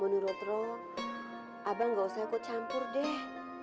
mau nurut lo abang ga usah ikut campur deh